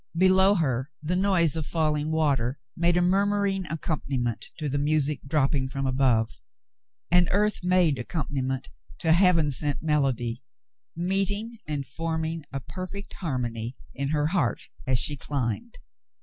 Below her the noise of falling water made a murmuring accompaniment to the music dropping from above — an earth made accompaniment to heaven The Voices 113 sent melody, meeting and forming a perfect harmony in her heart as she climbed.